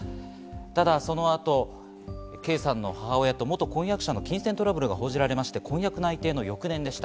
ただその後、圭さんの母親と元婚約者の金銭トラブルが報じられまして、婚約内定の翌年でした。